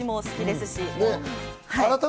私も好きですし。